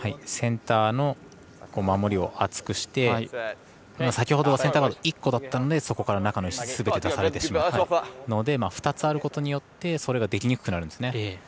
センターの守りを厚くして先ほどセンターガード１個だったのでそこから中の石すべて出されてしまうので２つあることによってそれができにくくなるんですね。